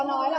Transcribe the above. bởi vì là